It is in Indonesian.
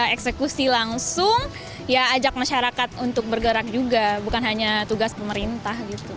eksekusi langsung ya ajak masyarakat untuk bergerak juga bukan hanya tugas pemerintah gitu